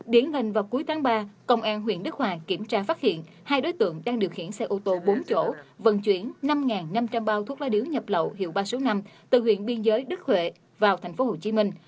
điển ngành vào cuối tháng ba công an huyện đức hòa kiểm tra phát hiện hai đối tượng đang điều khiển xe ô tô bốn chỗ vận chuyển năm năm trăm linh bao thuốc lá điếu nhập lậu hiệu ba trăm sáu mươi năm từ huyện biên giới đức huệ vào thành phố hồ chí minh